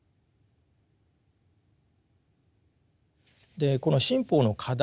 でこの新法の課題